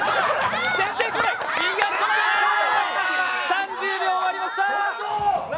３０秒終わりました！